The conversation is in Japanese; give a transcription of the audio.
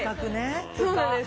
そうなんです。